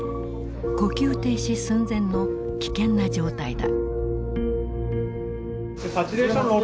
呼吸停止寸前の危険な状態だ。